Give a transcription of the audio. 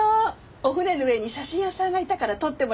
お船の上に写真屋さんがいたから撮ってもらったの。